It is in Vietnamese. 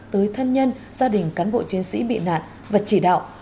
tới thân nhân gia đình cán bộ chiến sĩ bị nạn và chỉ đạo